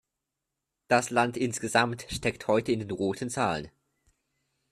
Das Land insgesamt steckt heute in den roten Zahlen.